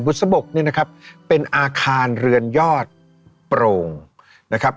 สะบกเนี่ยนะครับเป็นอาคารเรือนยอดโปร่งนะครับ